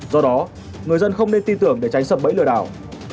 do đó người dân không nên tin tưởng để tránh sập bẫy lừa đảo